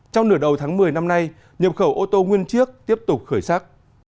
trong nửa đầu tháng một mươi năm nay nhập khẩu ô tô nguyên chiếc tiếp tục khởi sắc